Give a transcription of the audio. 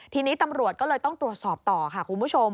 ทีนี้ตำรวจก็เลยต้องตรวจสอบต่อค่ะคุณผู้ชม